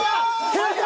正解。